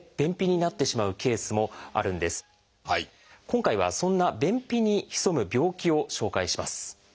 今回はそんな便秘に潜む病気を紹介します。